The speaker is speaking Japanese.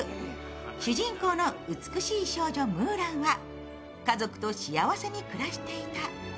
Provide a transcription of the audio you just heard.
主人公の美しい少女、ムーランは家族と幸せに暮らしていた。